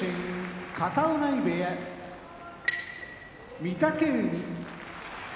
片男波部屋御嶽海